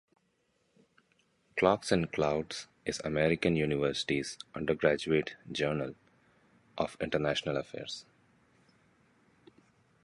Clocks and Clouds is American University's undergraduate journal of international affairs.